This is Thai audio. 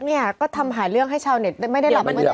นี่ก็ทำหาเรื่องให้ชาวเน็ตไม่ให้่ระเบิด